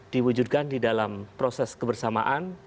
diwujudkan di dalam proses kebersamaan